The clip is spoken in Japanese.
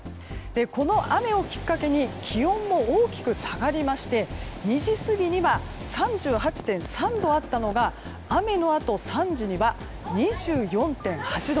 この雨をきっかけに気温も大きく下がりまして２時過ぎには３８．３度あったのが雨のあと、３時には２４．８度。